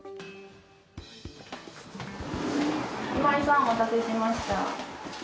今井さん、お待たせしました。